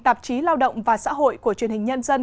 tạp chí lao động và xã hội của truyền hình nhân dân